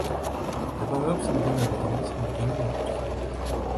მდებარეობს მდინარე ივრის მარჯვენა ნაპირზე.